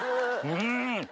うん！